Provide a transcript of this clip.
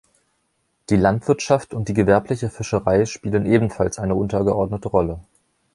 Die Landwirtschaft und die gewerbliche Fischerei spielen ebenfalls eine untergeordnete Rolle.